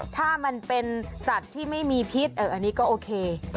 ถ้ามันเป็นสัตว์ที่ไม่มีพิษอันนี้ก็โอเค